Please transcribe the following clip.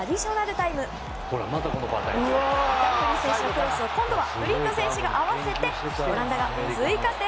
ダンフリース選手のクロスを今度はブリント選手が合わせてオランダが追加点。